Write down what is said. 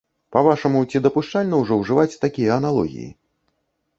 Па-вашаму, ці дапушчальна ўжо ўжываць такія аналогіі?